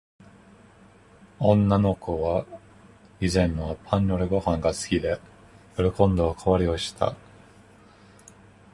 女の子は、以前は、パンより御飯が好きで、喜んでお代わりをした。